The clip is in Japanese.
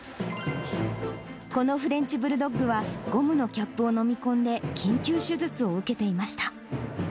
このフレンチブルドッグは、ゴムのキャップを飲み込んで、緊急手術を受けていました。